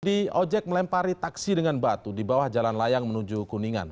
di ojek melempari taksi dengan batu di bawah jalan layang menuju kuningan